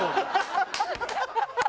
ハハハハ！